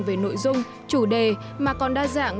về nội dung chủ đề mà còn đa dạng